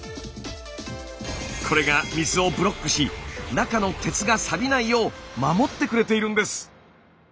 これが水をブロックし中の鉄がサビないよう守ってくれているんです。